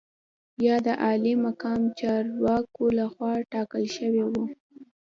یا د عالي مقام چارواکو لخوا ټاکل شوي وو.